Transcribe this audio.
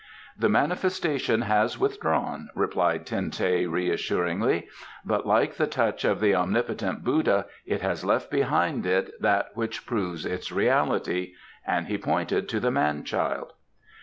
"The manifestation has withdrawn," replied Ten teh reassuringly, "but like the touch of the omnipotent Buddha it has left behind it that which proves its reality," and he pointed to the man child.